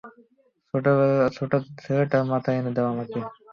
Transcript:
ছেলেটার মাথা এনে দাও আমাকে!